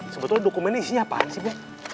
sebetulnya dokumen ini isinya apaan sih bek